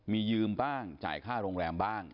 มียืมบ้างจ่ายค่าโรงแรมบ้าง